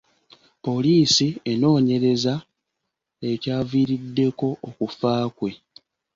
Poliisi enoonyereza ekyaviiriddeko okufa kwe.